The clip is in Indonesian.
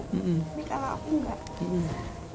tapi kalau aku enggak